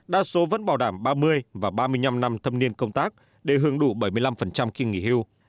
đa số vẫn bảo đảm ba mươi và ba mươi năm năm thâm niên công tác để hưởng đủ bảy mươi năm khi nghỉ hưu